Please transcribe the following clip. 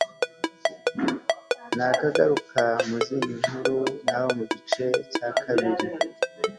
nakagaruka mu zindi nkuru naho mu gice cya kabiri